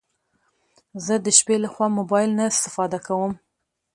زه د شپې لخوا موبايل نه استفاده کوم